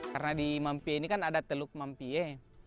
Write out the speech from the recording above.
karena di mampie ini kan ada teluk mampie